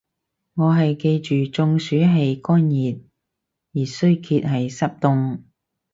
我係記住中暑係乾熱，熱衰竭係濕凍